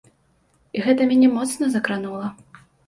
І гэта мяне моцна закранула.